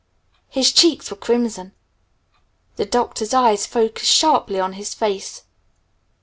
His cheeks were crimson. The Doctor's eyes focused sharply on his face.